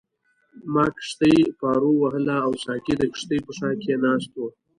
ما کښتۍ پارو وهله او ساقي د کښتۍ په شا کې ناست وو.